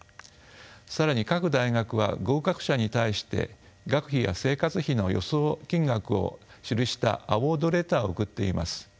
更に各大学は合格者に対して学費や生活費の予想金額を記したアウォード・レターを送っています。